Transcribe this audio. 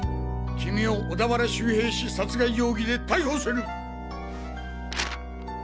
キミを小田原周平氏殺害容疑で逮捕する！